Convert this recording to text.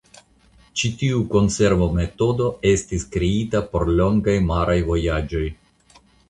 Ĉi tiu konservometodo estis kreita por longaj maraj vojaĝoj.